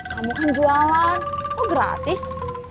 kamu kan jualan kok gratis